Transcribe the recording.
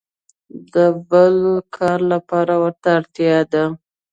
د بل کار لپاره ورته اړتیا ده.